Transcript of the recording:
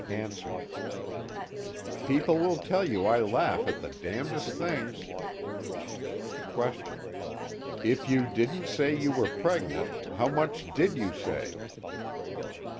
ANSWER: People will tell you I laugh at the damnedest things. QUESTION: If you didn't say you were pregnant, how much did you say?